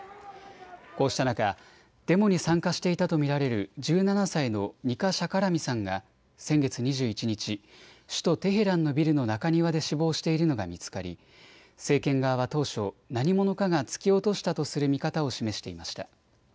こうした中、デモに参加していたと見られる１７歳のニカ・シャカラミさんが先月２１日、首都テヘランのビルの中庭で死亡しているのが見つかり政権側は当初、何者かが突き落としたとする見方を示していました。